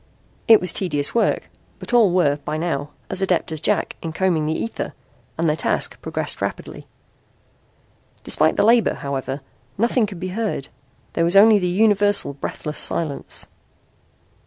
It was tedious work, but all were by now as adept as Jack in combing the ether and their task progressed rapidly. Despite the labor, however, nothing could be heard. There was only the universal, breathless silence.